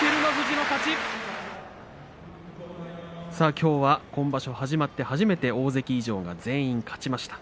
きょうは今場所始まって初めて大関以上が全員勝ちました。